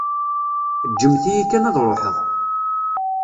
Ǧǧemt-iyi kan ad ṛuḥeɣ.